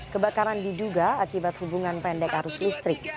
kebakaran diduga akibat hubungan pendek arus listrik